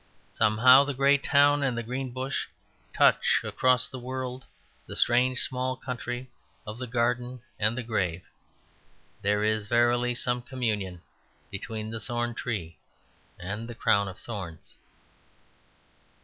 Somehow the grey town and the green bush touch across the world the strange small country of the garden and the grave; there is verily some communion between the thorn tree and the crown of thorns.